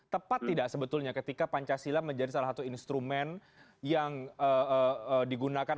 tepat tidak sebetulnya ketika pancasila menjadi salah satu instrumen yang digunakan